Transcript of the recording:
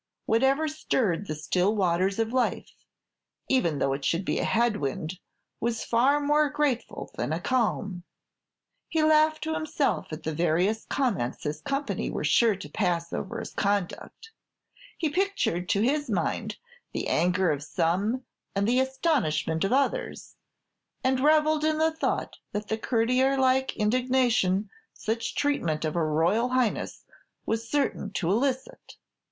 Whatever stirred the still waters of life, even though it should be a head wind, was far more grateful than a calm! He laughed to himself at the various comments his company were sure to pass over his conduct; he pictured to his mind the anger of some and the astonishment of others, and revelled in the thought of the courtier like indignation such treatment of a Royal Highness was certain to elicit.